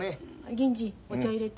銀次お茶いれて。